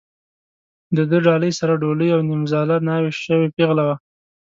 د ده ډالۍ سره ډولۍ او نیمزاله ناوې شوې پېغله وه.